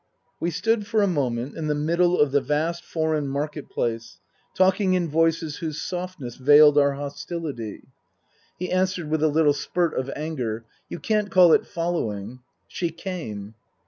We stood for a moment in the middle of the vast foreign Market Place, talking in voices whose softness veiled our hostility. Book I : My Book 63 He answered with a little spurt of anger. ' You can't call it following. She came."